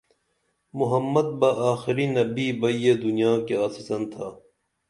محمد بہ آخری نبی بئی یہ دنیا کی آڅِسن تھا